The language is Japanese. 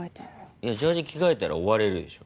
いやジャージー着替えたら終われるでしょ。